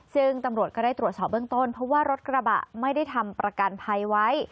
ซึ่งตำรวจก็ได้ตรวจสอบเบื้องต้นเพราะว่ารถกระบะไม่ได้ทำประกันภัยไว้